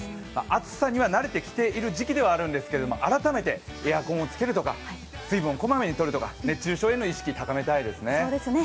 暑さには慣れてきている時期ではあるんですけども、改めてエアコンをつけるとか水分をこまめにとるとか熱中症への意識高めたいですよね。